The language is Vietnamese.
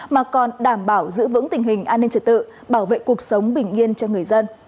mà còn đảm bảo giữ vững tình hình an ninh trật tự bảo vệ cuộc sống bình yên cho người dân